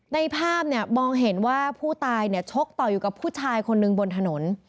ในภาพเนี่ยมองเห็นว่าผู้ตายชกต่ออยู่กับผู้ชายคนหนึ่งบนถนน